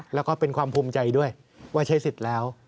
แล้วก็เป็นความภูมิใจด้วยว่าใช้สิทธิ์แล้ว